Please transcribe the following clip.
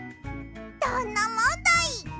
どんなもんだい！